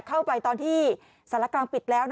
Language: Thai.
เข้าไปตอนที่สารกลางปิดแล้ว